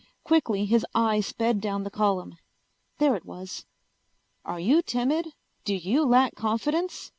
Quickly his eye sped down the column. There it was: Are you timid? Do you lack confidence?